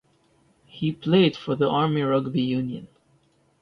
He played for the Army Rugby Union.